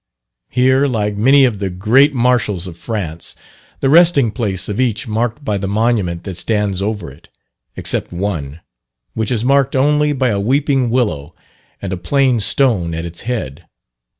Here lie many of the great marshals of France the resting place of each marked by the monument that stands over it, except one, which is marked only by a weeping willow and a plain stone at its head.